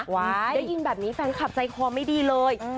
ได้ยินแบบนี้แฟนคลับใจคอไม่ดีเลย